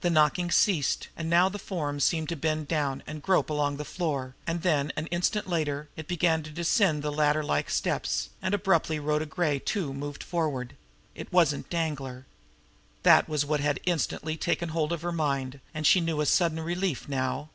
The knocking ceased, and now the form seemed to bend down and grope along the floor; and then, an instant later, it began to descend the ladder like steps and abruptly Rhoda Gray, too, moved forward. It wasn't Danglar. That was what had instantly taken hold of her mind, and she knew a sudden relief now.